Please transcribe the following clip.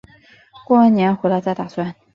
过完年回来再打算